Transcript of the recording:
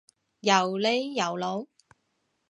又呢又路？